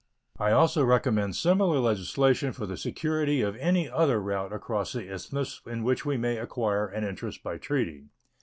I also recommend similar legislation for the security of any other route across the Isthmus in which we may acquire an interest by treaty.